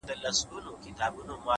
هغه غزلخُمارې ته ولاړه ده حيرانه”